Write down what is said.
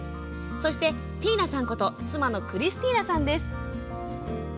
そして、ティーナさんこと妻のクリスティーナさんです。